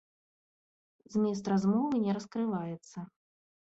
Змест размовы не раскрываецца.